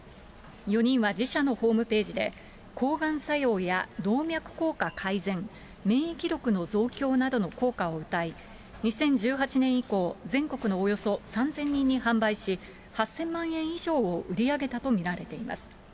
４人は自社のホームページで、抗がん作用や動脈硬化改善、免疫力の増強などの効果をうたい、２０１８年以降、全国のおよそ３０００人に販売し、８０００万円以上を売り上げたと見られています。